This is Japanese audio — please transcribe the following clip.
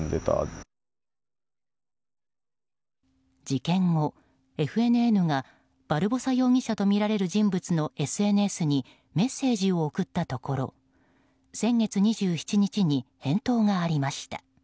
事件後、ＦＮＮがバルボサ容疑者とみられる人物のＳＮＳにメッセージを送ったところ先月２７日に返答がありました。